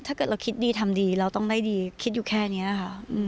ถ้าเกิดเราคิดดีทำดีเราต้องได้ดีคิดอยู่แค่นี้ค่ะ